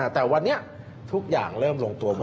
แต่วันนี้ทุกอย่างเริ่มลงตัวหมด